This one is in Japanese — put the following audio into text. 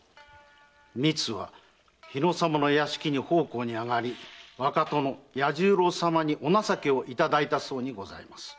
みつは日野様の屋敷に奉公に上がり若殿・弥十郎様にお情けをいただいたそうにございます。